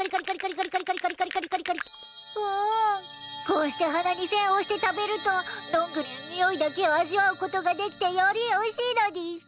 こうして鼻に栓をして食べるとドングリのにおいだけを味わうことができてよりおいしいのでぃす。